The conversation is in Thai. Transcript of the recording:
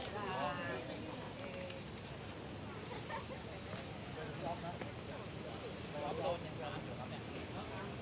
และสู่ทางของผู้ช่วยพวกเขา